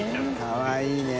かわいいね。